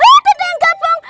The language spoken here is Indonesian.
waduh ternyata yang gabung